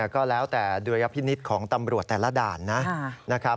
ก็แล้วแต่ดุลยพินิษฐ์ของตำรวจแต่ละด่านนะครับ